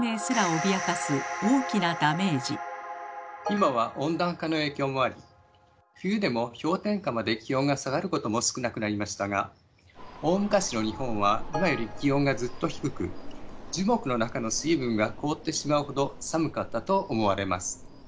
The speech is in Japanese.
今は温暖化の影響もあり冬でも氷点下まで気温が下がることも少なくなりましたが大昔の日本は今より気温がずっと低く樹木の中の水分が凍ってしまうほど寒かったと思われます。